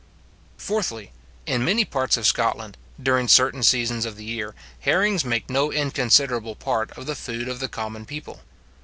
Fourthly, In many parts of Scotland, during certain seasons of the year, herrings make no inconsiderable part of the food of the common people.